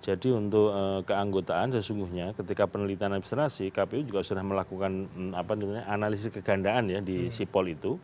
jadi untuk keanggotaan sesungguhnya ketika penelitian administrasi kpu juga sudah melakukan analisis kegandaan ya di sipol itu